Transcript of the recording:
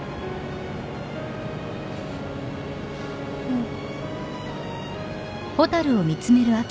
うん。